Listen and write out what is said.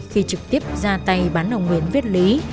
khi trực tiếp ra tay bán đồng nguyên viết lý